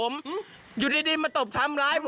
มึงนึกว่าข้ามเขาบ้าง